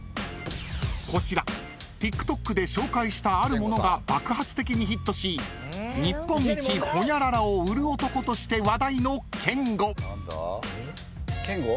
［こちらＴｉｋＴｏｋで紹介したある物が爆発的にヒットし日本一ホニャララを売る男として話題のけんご］